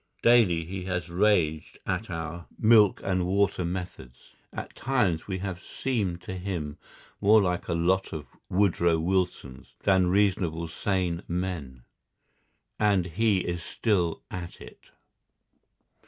Daily he has raged at our milk and water methods. At times we have seemed to him more like a lot of Woodrow Wilsons than reasonable sane men. And he is still at it.